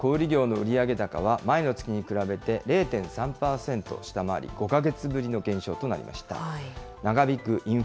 そうですね、アメリカの先月の小売り業の売上高は、前の月に比べて、０．３％下回り、５か月ぶりの減少となりました。